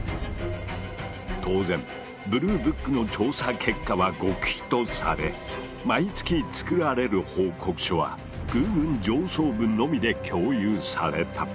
当然ブルーブックの調査結果は極秘とされ毎月作られる報告書は空軍上層部のみで共有された。